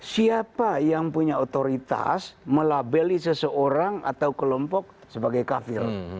siapa yang punya otoritas melabeli seseorang atau kelompok sebagai kafir